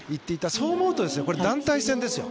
そう思うと団体戦ですよ。